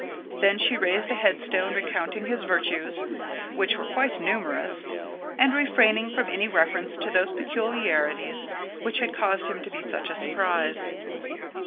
Then she raised a headstone recounting his virtues, which were quite numerous, and refraining from any reference to those peculiarities which had caused him to be such a surprise.